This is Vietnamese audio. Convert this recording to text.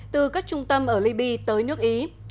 từ các trung tâm ở libya tới nước ý